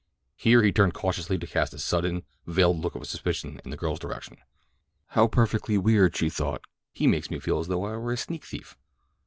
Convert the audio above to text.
Here he turned cautiously to cast a sudden, veiled look of suspicion in the girl's direction. "How perfectly weird," she thought. "He makes me feel as though I were a sneak thief."